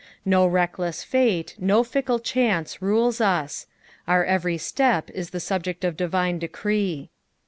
No reckless fate, no fickle chance rules us ; our every step is the subject of divine decree.